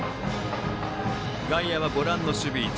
外野はご覧の守備位置。